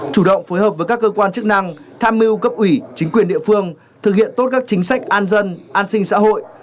chủ động phối hợp với các cơ quan chức năng tham mưu cấp ủy chính quyền địa phương thực hiện tốt các chính sách an dân an sinh xã hội